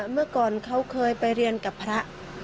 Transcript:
เมื่อก่อนเขาเคยไปเรียนกับพระ